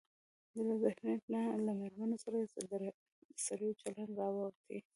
له ذهنيت نه له مېرمنو سره د سړيو چلن راوتى.